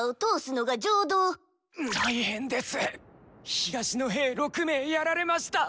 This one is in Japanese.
東の兵６名やられました